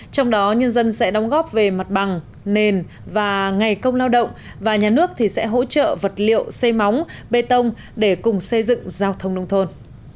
trong đó nhân dân sẽ đóng góp về mặt bằng nền và ngày công lao động và nhà nước sẽ hỗ trợ vật liệu xây móng bê tông để cùng xây dựng giao thông nông thôn